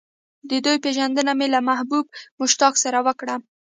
د دوی پېژندنه مې له محبوب مشتاق سره وکړه.